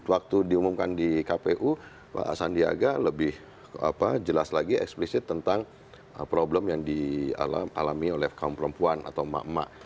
waktu diumumkan di kpu pak sandiaga lebih jelas lagi eksplisit tentang problem yang dialami oleh kaum perempuan atau emak emak